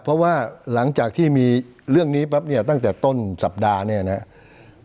เพราะว่าหลังจากที่มีเรื่องนี้ปั๊บเนี่ยตั้งแต่ต้นสัปดาห์เนี่ยนะครับ